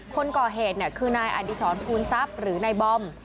คนก่อเหตุคือนายอดีศรภูนทรัพย์หรือนายบอม